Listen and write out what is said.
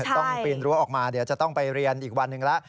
ต้องปีนรั้วออกมาเดี๋ยวจะต้องไปเรียนอีกวันหนึ่งแล้ว